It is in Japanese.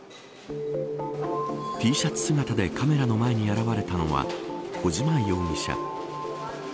Ｔシャツ姿でカメラの前に現れたのは小島容疑者。